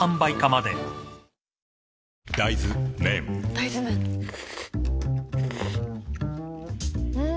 大豆麺ん？